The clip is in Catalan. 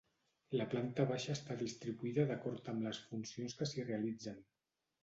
La planta baixa està distribuïda d'acord amb les funcions que s'hi realitzen.